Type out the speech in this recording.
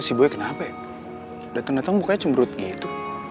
tuh si boy kenapa ya dateng dateng mukanya cemberut gitu